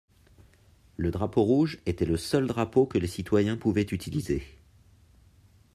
Le drapeau rouge était le seul drapeau que les citoyens pouvaient utiliser.